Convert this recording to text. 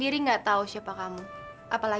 bisa nggak mau berada ada masalah